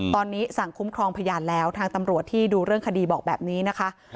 ตอนนี้สั่งคุ้มครองพยานแล้วทางตำรวจที่ดูเรื่องคดีบอกแบบนี้นะคะ